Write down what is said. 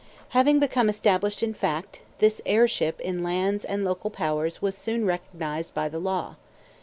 Having become established in fact, this heirship in lands and local powers was soon recognized by the law.